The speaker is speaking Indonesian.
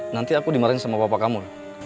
nanti aku dimarahin sama bapak kamu